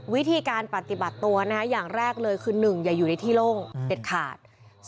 วิธีการปฏิบัติตัวอย่างแรกเลยคือ๑อย่าอยู่ในที่โล่งเด็ดขาด